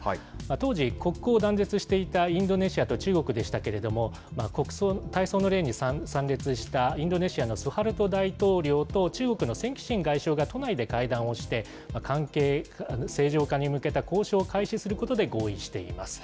当時、国交を断絶していたインドネシアと中国でしたけれども、大喪の礼に参列したインドネシアのスハルト大統領と中国の錢其しん外相が都内で会談をして、関係正常化に向けた交渉を開始することで合意しています。